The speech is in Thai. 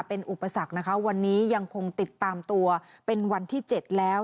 เป็นอุปสรรคนะคะวันนี้ยังคงติดตามตัวเป็นวันที่๗แล้ว